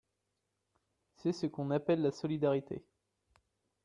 C’est ce qu’on appelle la solidarité.